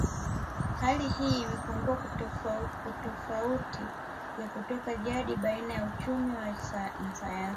Hali hii imepunguza tofauti ya kutoka jadi baina ya uchumi na sayansi